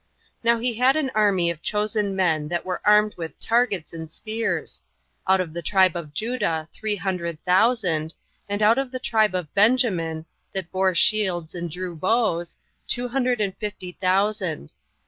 Now he had an army of chosen men that were armed with targets and spears; out of the tribe of Judah three hundred thousand; and out of the tribe of Benjamin, that bore shields and drew bows, two hundred and fifty thousand.